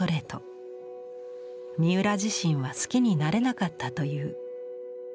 三浦自身は好きになれなかったという。